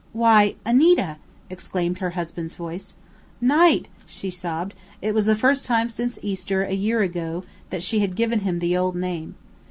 "Why, Anita!" exclaimed her husband's voice. "Knight!" she sobbed. It was the first time since Easter a year ago that she had given him the old name.